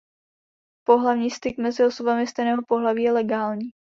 Pohlavní styk mezi osobami stejného pohlaví je legální.